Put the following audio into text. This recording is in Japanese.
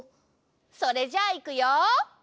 それじゃあいくよ！